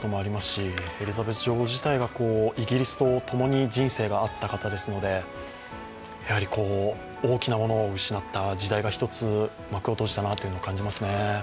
しエリザベス女王自体がイギリスと共に人生があった方ですので、やはり大きなものを失った、時代が１つ幕を閉じたなと感じますね。